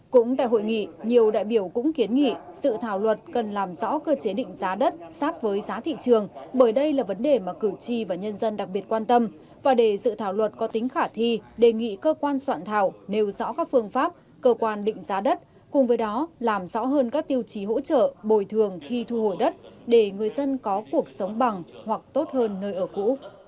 cũng tại hội nghị nhiều đại biểu cũng kiến nghị sự thảo luật cần làm rõ cơ chế định giá đất sát với giá thị trường bởi đây là vấn đề mà cử tri và nhân dân đặc biệt quan tâm và để sự thảo luật có tính khả thi đề nghị cơ quan soạn thảo nêu rõ các phương pháp cơ quan định giá đất cùng với đó làm rõ hơn các tiêu chí hỗ trợ bồi thường khi thu hồi đất để người dân có cuộc sống bằng hoặc tốt hơn nơi ở cũ